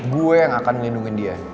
gue yang akan melindungi dia